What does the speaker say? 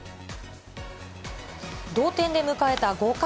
同点で迎えた５回。